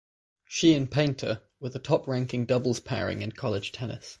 She and Paynter were the top ranking doubles pairing in college tennis.